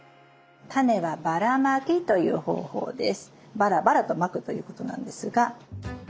ばらばらとまくということなんですが。